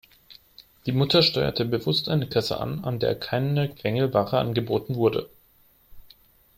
Die Mutter steuerte bewusst eine Kasse an, an der keine Quengelware angeboten wurde.